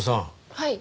はい。